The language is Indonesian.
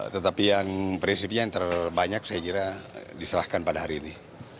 tetapi yang prinsipnya yang terbanyak saya kira diserahkan pada hari ini